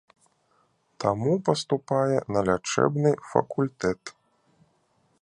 Таму паступае на лячэбны факультэт.